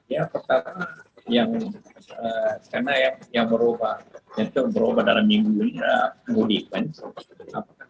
ya pertama karena yang berubah dalam minggu ini adalah mudik